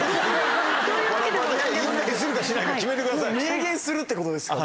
明言するってことですか？